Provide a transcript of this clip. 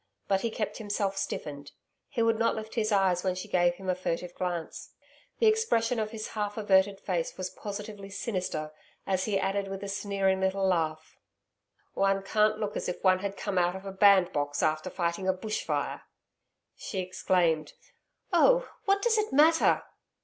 But he kept himself stiffened. He would not lift his eyes, when she gave him a furtive glance. The expression of his half averted face was positively sinister as he added with a sneering little laugh. 'One can't look as if one had come out of a bandbox after fighting a bush fire.' She exclaimed, 'Oh! what does it matter?'